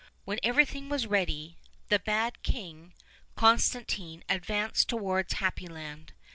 When everything was ready the bad king, Constantino, advanced toward Happy Land.